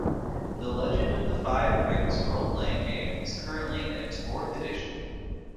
The Legend of the Five Rings Role-Playing Game is currently in its fourth edition.